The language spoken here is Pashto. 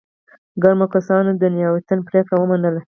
ګرمو کسانو د نياوتون پرېکړه ومنله.